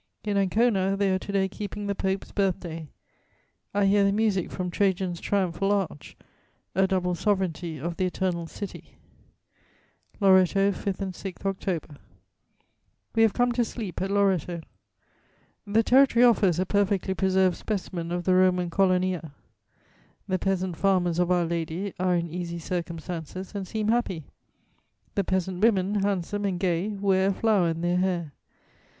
In Ancona they are to day keeping the Pope's birthday; I hear the music from Trajan's triumphal arch: a double sovereignty of the Eternal City." "LORETTO, 5 and 6 October. "We have come to sleep at Loretto. The territory offers a perfectly preserved specimen of the Roman colonia. The peasant farmers of Our Lady are in easy circumstances and seem happy; the peasant women, handsome and gay, wear a flower in their hair.